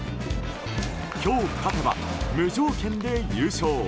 今日勝てば、無条件で優勝。